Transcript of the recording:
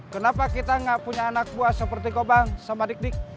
kenapa kita nggak punya anak buah seperti kobang sama dik dik